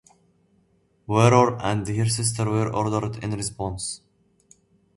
"Warrior" and her sister were ordered in response.